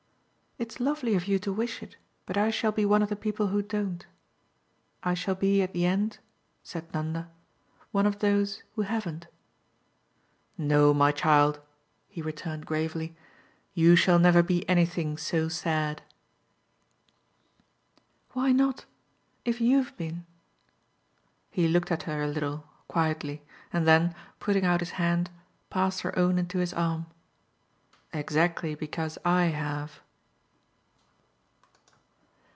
"It's lovely of you to wish it, but I shall be one of the people who don't. I shall be at the end," said Nanda, "one of those who haven't." "No, my child," he returned gravely "you shall never be anything so sad." "Why not if YOU'VE been?" He looked at her a little, quietly, and then, putting out his hand, passed her own into his arm. "Exactly because I have."